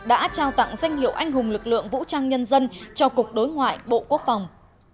đã trao tặng danh hiệu anh hùng lực lượng vũ trang nhân dân cho cục đối ngoại bộ quốc phòng